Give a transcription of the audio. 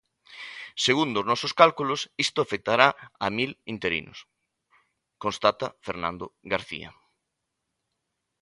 "Segundo os nosos cálculos isto afectará a mil interinos", constata Fernando García.